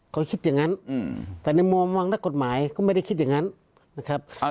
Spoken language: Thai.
เขาคิดอย่างนั้นแต่ในมุมมองนักกฎหมายก็ไม่ได้คิดอย่างนั้นนะครับ